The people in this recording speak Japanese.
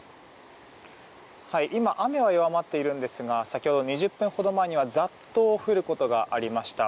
今、雨は弱まっているんですが先ほど、２０分ほど前にはざっと降ることがありました。